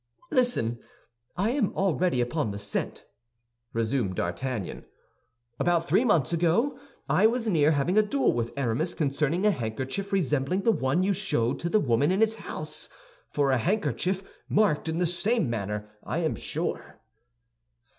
"Listen; I am already upon the scent," resumed D'Artagnan. "About three months ago I was near having a duel with Aramis concerning a handkerchief resembling the one you showed to the woman in his house—for a handkerchief marked in the same manner, I am sure."